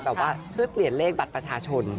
เพื่อเปลี่ยนเลขบัตรประชาชน